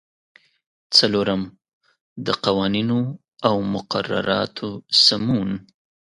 څلورم: د قوانینو او مقرراتو سمون.